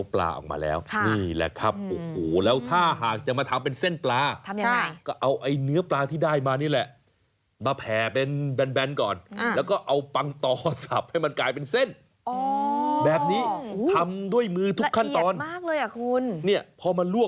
สั่งเส้นปลาแห้งเย็นเตอร์โฟล์